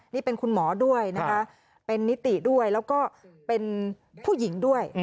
นี่เป็นคุณหมอด้วยนะคะเป็นนิติด้วยแล้วก็เป็นผู้หญิงด้วย